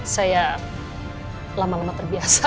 saya lama lama terbiasa